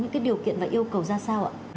những cái điều kiện và yêu cầu ra sao ạ